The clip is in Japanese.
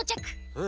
うん。